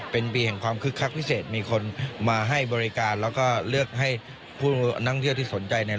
เป็นปีแห่งความคึกคักพิเศษมีคนมาให้บริการแล้วก็เลือกให้ผู้นักเที่ยวที่สนใจเนี่ย